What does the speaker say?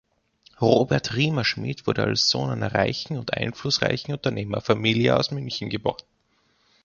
Robert Riemerschmid wurde als Sohn einer reichen und einflussreichen Unternehmerfamilie aus München geboren.